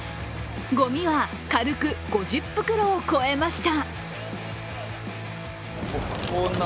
ごみは軽く５０袋を超えました。